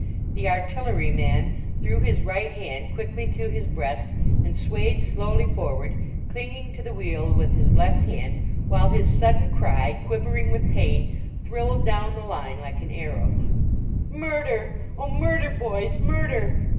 The artillery man threw his right hand quickly to his 215 LAUREL AND CYPRESS breast and swayed slowly forward, clinging to the wheel with his left hand, while his sud den cry, quivering with pain, thrilled down the line like an arrow " Murder! Oh, murder, boys! Murder!"